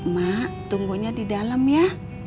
mak tunggunya di dalam ya